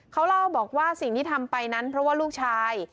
เขาเล่าบอกว่าสิ่งที่ทำไปนั้นเพราะว่าลูกชาย